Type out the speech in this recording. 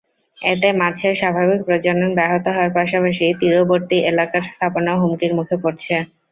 এতে মাছের স্বাভাবিক প্রজনন ব্যাহত হওয়ার পাশাপাশি তীরবর্তী এলাকার স্থাপনাও হুমকির মুখে পড়ছে।